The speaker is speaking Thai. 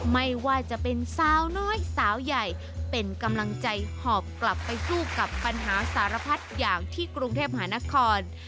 ไม่ว่าจะเป็นสาวน้อยสาวใหญ่เป็นกำลังใจหอบกลับไปสู้กับปัญหาสารพัดอย่างที่กรุงเทพมหานคร